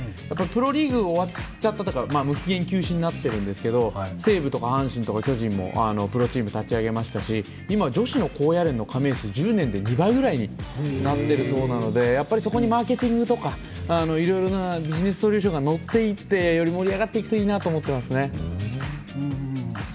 プロリーグ、無期限休止になってるんですけど、西武とか阪神とか巨人もプロチームを立ち上げましたし、今、女子の高野連の加盟数、１０年で２倍くらいになってるそうなのでやっぱりそこにマーケティングとかいろいろなビジネスソリューションが乗っていってより盛り上がっていくといいなと思っていますね。